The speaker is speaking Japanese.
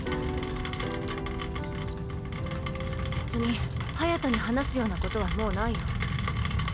別に隼に話すようなことはもうないよ。